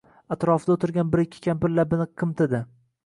Аtrofida oʼtirgan bir-ikki kampir labini qimtidi.